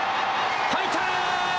入った！